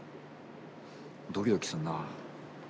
ドキドキするなあ。